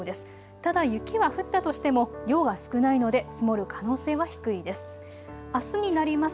ただ雪は降ったとしても量は少ないので積もる可能性は低いです。